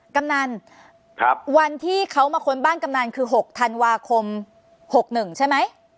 กำนันวันที่เขามาค้นบ้านกำนันคือ๖ธันวาคม๖๑ใช่ไหม